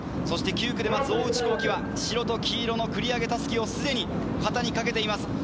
そして９区で待つ大内宏樹は白と黄色の繰り上げ襷を既に肩に掛けています。